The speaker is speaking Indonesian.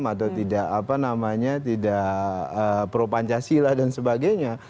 atau tidak pro pancasila dan sebagainya